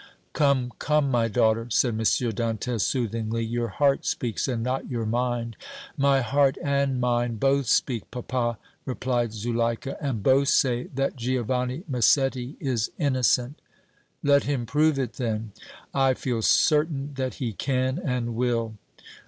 "Come, come, my daughter," said M. Dantès, soothingly, "your heart speaks and not your mind." "My heart and mind both speak, papa," replied Zuleika, "and both say that Giovanni Massetti is innocent." "Let him prove it then." "I feel certain that he can and will."